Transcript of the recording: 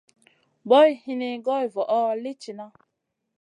Boyna hini goy voʼo li tihna.